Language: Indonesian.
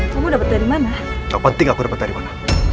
kalian independentes adrian